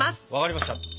わかりました。